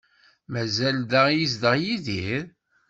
Mazal da i yezdeɣ Yidir?